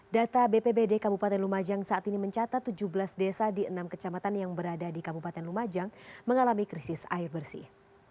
data bpbd kabupaten lumajang saat ini mencatat tujuh belas desa di enam kecamatan yang berada di kabupaten lumajang mengalami krisis air bersih